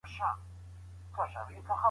د بحث پر مهال څه پېښېږي؟